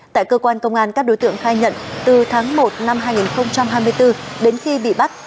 tại cơ quan công an các đối tượng khai nhận từ tháng một năm hai nghìn hai mươi bốn đến khi bị bắt